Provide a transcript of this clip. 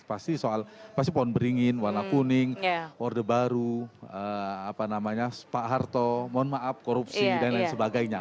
pasti soal pasti pohon beringin warna kuning orde baru pak harto mohon maaf korupsi dan lain sebagainya